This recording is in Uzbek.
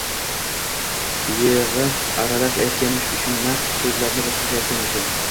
Yig`i aralash aytgani uchunmas, so`zlarni boshqacha aytgani uchun